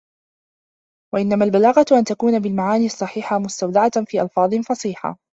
وَإِنَّمَا الْبَلَاغَةُ أَنْ تَكُونَ بِالْمَعَانِي الصَّحِيحَةِ مُسْتَوْدَعَةٌ فِي أَلْفَاظٍ فَصَيْحَةٍ